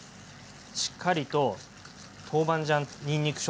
しっかりと豆板醤にんにく